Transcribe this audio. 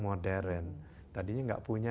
modern tadinya gak punya